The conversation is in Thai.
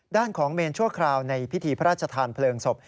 ด้านของเมนชั่วคราวในพิธีพระราชทานเพลิงศพ